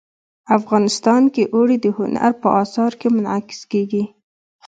افغانستان کې اوړي د هنر په اثار کې منعکس کېږي.